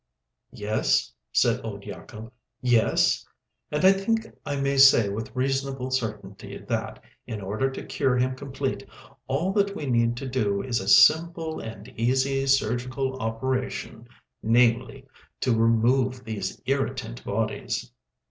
"Yes?" said old Yacob. "Yes?" "And I think I may say with reasonable certainty that, in order to cure him complete, all that we need to do is a simple and easy surgical operation—namely, to remove these irritant bodies."